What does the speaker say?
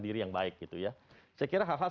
diri yang baik gitu ya saya kira hal hal